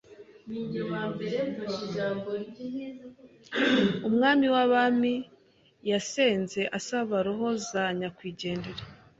Umwami w'abami yasenze asaba roho za nyakwigendera.